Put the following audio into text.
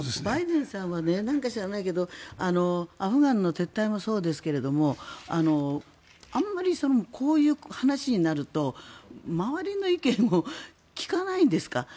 バイデンさんは何か知らないけどアフガンの撤退もそうですがあまりこういう話になると周りの意見を聞かないんですか？